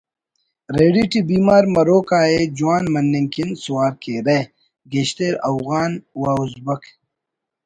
ریڑی ٹی بیمار مروک آ ءِ جوان مننگ کن سوار کیرہ (گیشر اوغان و اُزبک